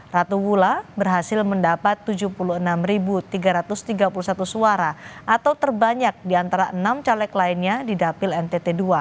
ratu wulla berhasil mendapat tujuh puluh enam tiga ratus tiga puluh satu suara atau terbanyak di antara enam caleg lainnya di dapil ntt ii